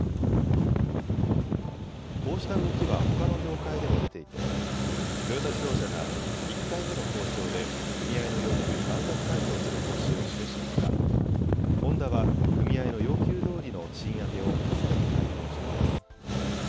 こうした動きはほかの業界でも出ていて、トヨタ自動車が１回目の交渉で、組合の要求に満額回答する方針を示したほか、ホンダは、組合の要求どおりの賃上げをすでに回答しています。